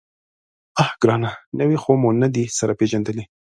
_اه ګرانه! نوي خو مو نه دي سره پېژندلي.